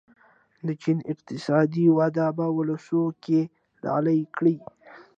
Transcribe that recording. د چین اقتصادي وده به ولسواکي ډالۍ کړي.